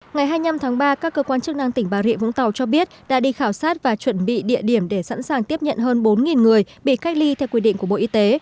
ngày hai mươi năm tháng ba các cơ quan chức năng tỉnh bà rịa vũng tàu cho biết đã đi khảo sát và chuẩn bị địa điểm để sẵn sàng tiếp nhận hơn bốn người bị cách ly theo quy định của bộ y tế